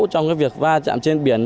trong việc va chạm trên biển